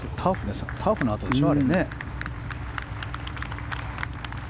ターフの跡でしょ。